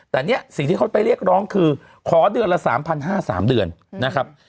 แต่เนี่ยสิ่งที่เขาไปเรียกร้องคือขอเดือนละ๓๕๐๐๓เดือนนะครับ